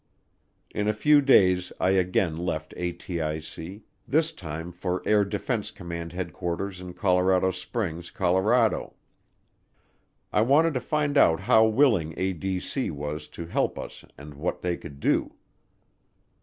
In a few days I again left ATIC, this time for Air Defense Command Headquarters in Colorado Springs, Colorado. I wanted to find out how willing ADC was to help us and what they could do.